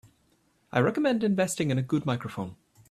I recommend investing in a good microphone.